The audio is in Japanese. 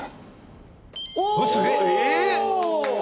お！